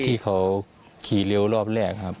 ที่เขาขี่เร็วรอบแรกครับ